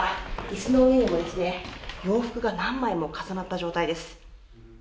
椅子の上には洋服が何枚も重なった状態です。